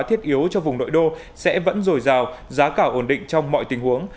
thiết yếu cho vùng nội đô sẽ vẫn rồi rào giá cảo ổn định trong mọi tình huống